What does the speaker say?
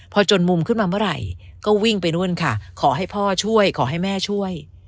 พอจนมุมขึ้นมาเมื่อไหร่ก็วิ่งไปนู่นค่ะขอให้พ่อช่วยขอให้แม่ช่วย